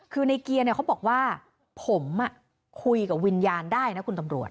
คือในเกียร์เขาบอกว่าผมคุยกับวิญญาณได้นะคุณตำรวจ